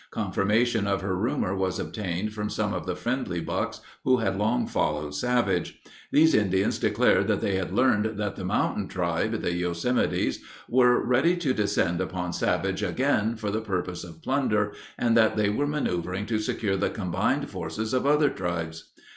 Confirmation of her rumor was obtained from some of the friendly bucks who had long followed Savage. These Indians declared that they had learned that the mountain tribe, the Yosemites, were ready to descend upon Savage again for the purpose of plunder and that they were maneuvering to secure the combined forces of other tribes.